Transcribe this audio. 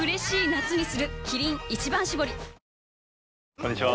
こんにちは。